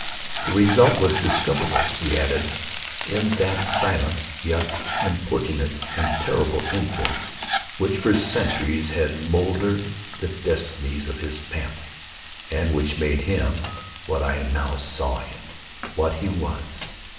The result was discoverable, he added, in that silent, yet importunate and terrible influence which for centuries had moulded the destinies of his family, and which made him what I now saw him—what he was.